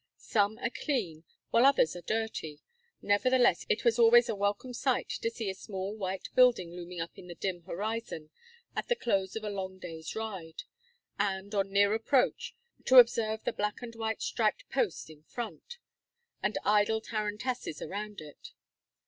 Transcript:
Some are clean, while others are dirty. Nevertheless, it was always a welcome sight to see a small white building looming up in the dim horizon at the close of a long day's ride, and, on near approach, to observe the black and white striped post in front, and idle tarantasses around it.